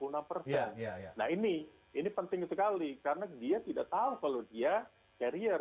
nah ini penting sekali karena dia tidak tahu kalau dia carrier